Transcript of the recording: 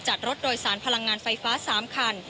รถโดยสารพลังงานไฟฟ้า๓คัน